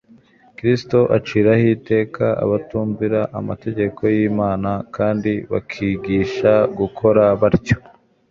Kristo aciraho iteka abatumvira amategeko y'Imana kandi bakigisha gukora batyo.